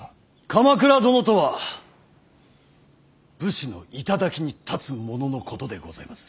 鎌倉殿とは武士の頂に立つ者のことでございます。